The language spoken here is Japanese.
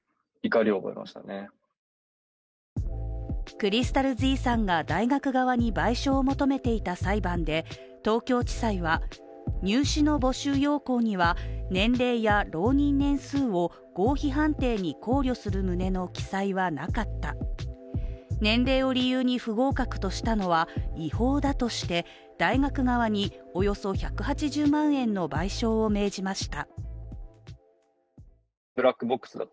ｃｒｙｓｔａｌ−ｚさんが大学側に賠償を求めていた裁判で東京地裁は今日の判決で入試の募集要項には年齢や浪人年数を合否判定に考慮する旨の記載はなかった年齢を理由に不合格としたのは違法だとして大学側におよそ１８０万円の賠償を命じました。